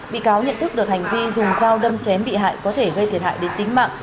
bị cáo nhận thức được hành vi dùng dao đâm chém bị hại có thể gây thiệt hại đến tính mạng